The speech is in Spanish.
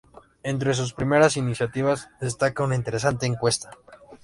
Entre sus primeras iniciativas, destaca una interesante encuesta.